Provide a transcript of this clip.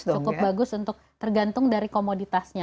cukup bagus untuk tergantung dari komoditasnya